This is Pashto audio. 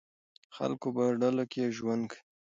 خلک په ډلو کې ژوند کوي.